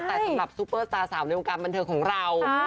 แต่สำหรับซูเปอร์สตาร์สาวในวงการบันเทิงของเรา